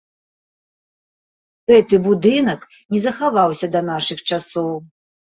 Гэты будынак не захаваўся да нашых часоў.